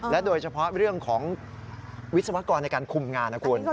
โดยเฉพาะเรื่องของวิศวกรในการคุมงานนะคุณ